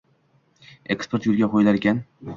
«Eksport yo‘lga qo‘yilar ekan!»